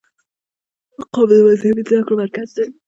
قم د مذهبي زده کړو مرکز دی.